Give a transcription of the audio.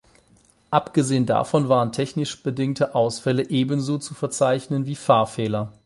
Abgesehen davon waren technisch bedingte Ausfälle ebenso zu verzeichnen wie Fahrfehler.